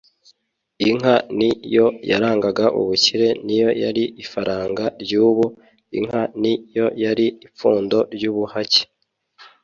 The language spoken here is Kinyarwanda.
Inka ni yo yarangaga ubukire. Niyo yari ifaranga ry'ubu. Inka ni yo yari ipfundo ry'ubuhake.